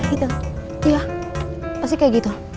gitu ya pasti kayak gitu